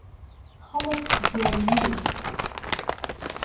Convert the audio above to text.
خەڵک گێل نییە.